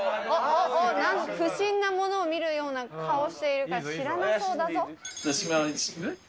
おっ、おっ、不審なものを見るような顔してるから、知らなそうだぞ。